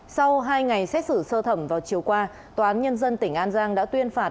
sau hai ngày xét xử sơ thẩm vào chiều qua tòa án nhân dân tỉnh an giang đã tuyên phạt